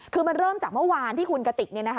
คือมันเริ่มจากเมื่อวานที่คุณกติก